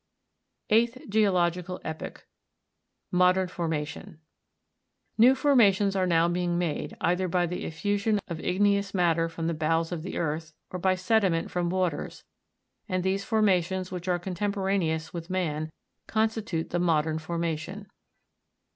EIGHTH GEOLOGICAL EPOCH. Modern Formation. 41. New formations are now being made, either by the effusion of igneous matter from the bowels of the earth, or by sediment from waters, and these formations, which are contemporaneous with man, constitute the modern formation.